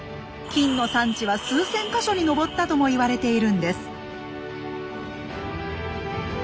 金の産地は数千か所に上ったとも言われているんです。